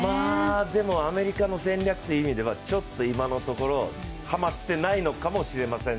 でも、アメリカの戦略って意味では、ちょっと今のところはまってないのかもしれません。